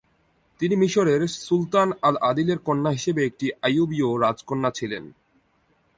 তিনি মিশরের সুলতান আল-আদিলের কন্যা হিসাবে একটি আইয়ুবীয় রাজকন্যা ছিলেন।